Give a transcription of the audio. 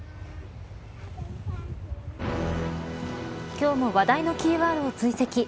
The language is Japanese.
今日も話題のキーワードを追跡。